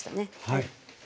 はい。